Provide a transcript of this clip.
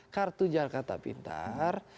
kartu jahat kata pintar